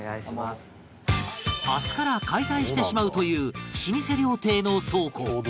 明日から解体してしまうという老舗料亭の倉庫